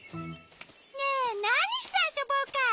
ねえなにしてあそぼうか！